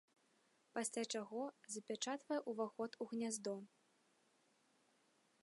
Пасля чаго запячатвае уваход у гняздо.